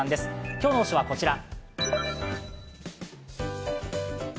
今日の推しはこちら。